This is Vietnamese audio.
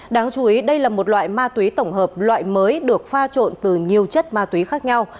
đáng chú ý đây là một loại ma túy tổng hợp loại mới được pha trộn từ nhiều chất ma túy khác nhau